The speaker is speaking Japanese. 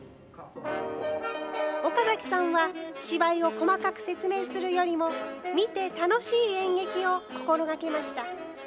岡崎さんは芝居を細かく説明するよりも、見て楽しい演劇を心がけました。